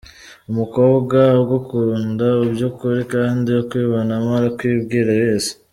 Umukobwa ugukunda by’ukuri kandi ukwibonamo, arakwibwira wese.